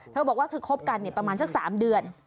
เธอบอกว่าเธอคบกันประมาณสัก๓เดือน